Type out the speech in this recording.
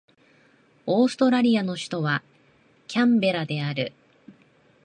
オーストラリアの首都はキャンベラである